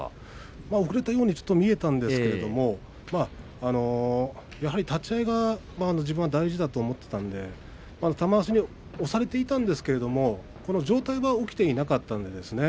遅れたように見えたんですけれどやはり立ち合い、自分は大事だと思っていたので玉鷲に押されていたんですが阿炎の上体は起きていなかったんですね。